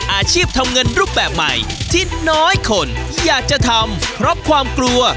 อาชีพทำเงินรูปแบบใหม่ที่น้อยคนอยากจะทำเพราะความกลัว